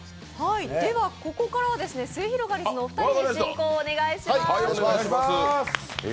ここからはすゑひろがりずのお二人に進行をお願いします。